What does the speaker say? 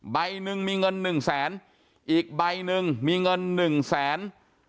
ใบหนึ่งมีเงิน๑แสนอีกใบหนึ่งมีเงิน๑แสน